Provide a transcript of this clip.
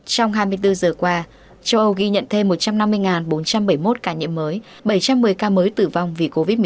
trong hai mươi bốn giờ qua châu âu ghi nhận thêm một trăm năm mươi bốn trăm bảy mươi một ca nhiễm mới bảy trăm một mươi ca mới tử vong vì covid một mươi chín